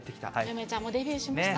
梅ちゃんもデビューしました。